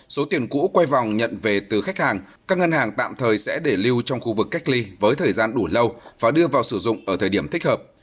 số tiền cũ quay vòng nhận về từ khách hàng các ngân hàng tạm thời sẽ để lưu trong khu vực cách ly với thời gian đủ lâu và đưa vào sử dụng ở thời điểm thích hợp